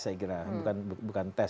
saya kira bukan tes